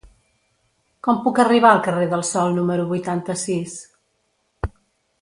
Com puc arribar al carrer del Sol número vuitanta-sis?